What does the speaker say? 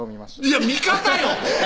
いや見方よ！